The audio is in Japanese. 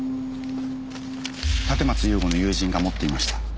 立松雄吾の友人が持っていました。